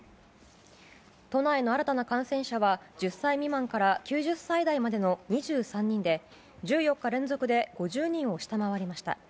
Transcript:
都内の新たな感染者は１０歳未満から９０歳代までの２３人で１４日連続で５０人を下回りました。